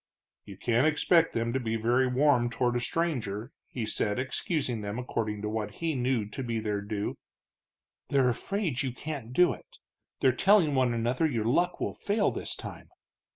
"You can't expect them to be very warm toward a stranger," he said, excusing them according to what he knew to be their due. "They're afraid you can't do it, they're telling one another your luck will fail this time.